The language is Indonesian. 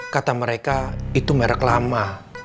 kata mereka itu merek lama